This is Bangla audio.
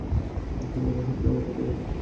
ওদের হুমকিকে আমরা কোথাও যাবো না।